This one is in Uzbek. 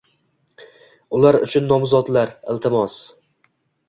Ular uchun nomzodlar? Iltimos